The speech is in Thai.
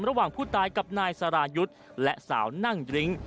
ระหว่างผู้ตายกับนายสรายุทธ์และสาวนั่งดริ้ง